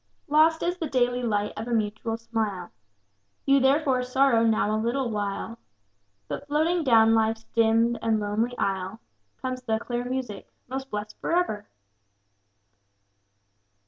Lost is the daily light of mutual smile, You therefore sorrow now a little while; But floating down life's dimmed and lonely aisle Comes the clear music: 'Most blessed for ever!'